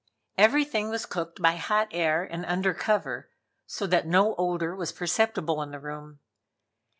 Everything was cooked by hot air and under cover, so that no odor was perceptible in the room.